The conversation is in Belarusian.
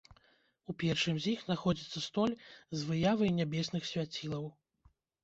У першым з іх знаходзіцца столь з выявай нябесных свяцілаў.